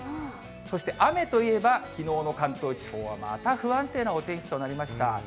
そして雨といえば、きのうの関東地方はまた不安定なお天気となりました。